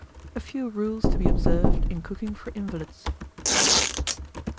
A FEW RULES TO BE OBSERVED IN COOKING FOR INVALIDS.